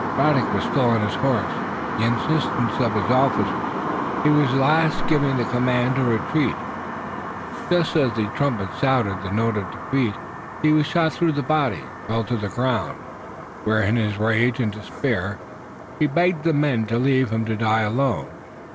Braddock was still on his horse, and, at the insistence of his officers, he was at last giving the command to retreat. Just as the trumpet sounded that note of defeat he was shot through the body and fell to the ground where, in his rage and despair, he begged the men to leave him to die alone.